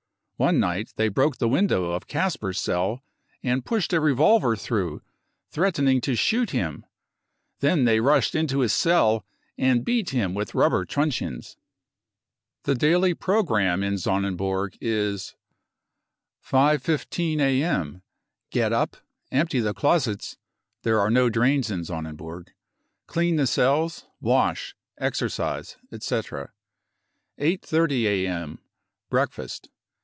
... One night they broke the window of Kasper's cell and pushed a revolver through, threatening to shoot him. Then they rushed into his cell and beat him with rubber truncheons. The daily programme in Sonnenburg is : 5.15 a.m. Get up, empty the closets (there are no drains in Sonnenburg), clean the cells, wash, exercise, etc. 8.30 a.m. Breakfast.